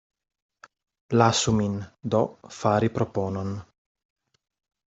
Lasu min, do, fari proponon.